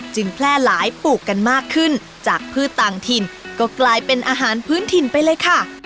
แพร่หลายปลูกกันมากขึ้นจากพืชต่างถิ่นก็กลายเป็นอาหารพื้นถิ่นไปเลยค่ะ